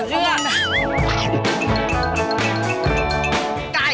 เชื่อหนูเชื่อ